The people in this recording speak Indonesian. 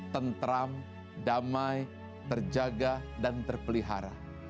tentram damai terjaga dan terpelihara